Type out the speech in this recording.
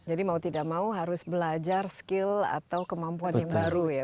jadi mau tidak mau harus belajar skill atau kemampuan yang baru ya